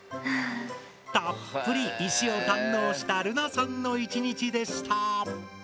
たっぷり石を堪能したるなさんの１日でした。